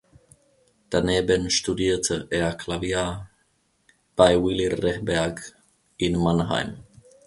Daneben studierte er Klavier bei Willy Rehberg in Mannheim.